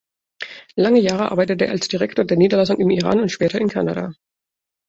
Lange Jahre arbeitete er als Direktor der Niederlassung in Iran und später in Kanada.